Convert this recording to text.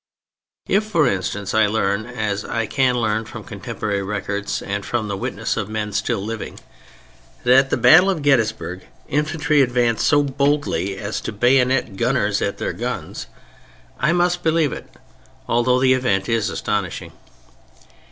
If, for instance, I learn, as I can learn from contemporary records and from the witness of men still living, that at the battle of Gettysburg infantry advanced so boldly as to bayonet gunners at their guns, I must believe it although the event is astonishing.